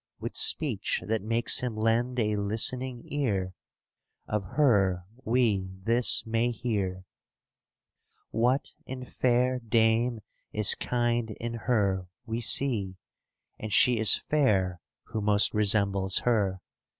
With speech that makes him lend a listening ear. Of her we this may hear. "What in fair dame is kind in her we see, And she is fair who most resembles her."